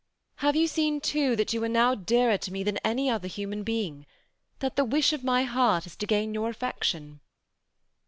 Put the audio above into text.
Have you seen too, that you are now dearer to me than any other human being ; that the wish of my heart is to gain your affection